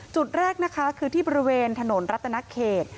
จุดแรกนะคะคือที่บริเวณถนนรัตนเขต